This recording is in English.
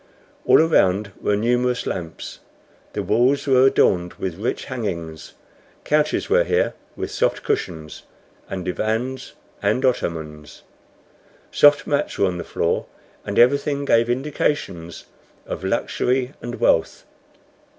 All around were numerous lamps. The walls were adorned with rich hangings; couches were here, with soft cushions, and divans and ottomans; soft mats were on the floor, and everything gave indications of luxury and wealth.